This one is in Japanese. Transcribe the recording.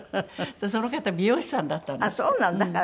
その方美容師さんだったんですって。